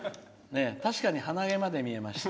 確かに鼻毛まで見えました。